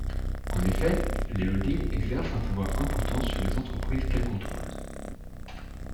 En effet, les holdings exercent un pouvoir important sur les entreprises qu’elles contrôlent.